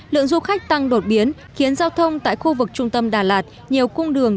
lượng du khách tăng đột biến khiến giao thông tại khu vực trung tâm đà lạt nhiều cung đường